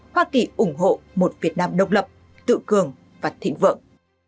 hoa kỳ ủng hộ một việt nam độc lập tự cường và thịnh vượng